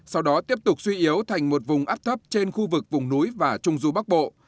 sau đó tiếp tục suy yếu thành một vùng áp thấp trên khu vực vùng núi và trung du bắc bộ